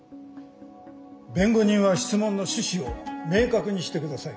弁護人は質問の趣旨を明確にしてください。